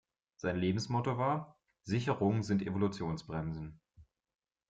Sein Lebensmotto war: Sicherungen sind Evolutionsbremsen.